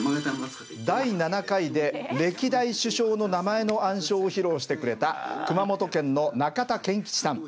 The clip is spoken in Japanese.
第７回で歴代首相の名前の暗唱を披露してくれた熊本県の中田研吉さん。